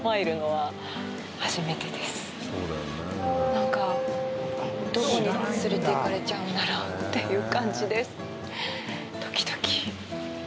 何かどこに連れていかれちゃうんだろうっていう感じです